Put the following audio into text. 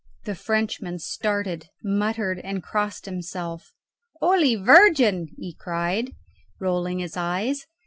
The Frenchman started, muttered, and crossed himself. "Holy Virgin!" he cried, rolling his eyes.